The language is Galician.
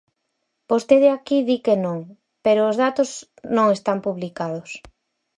Vostede aquí di que non, pero os datos non están publicados.